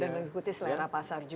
dan mengikuti selera pasar juga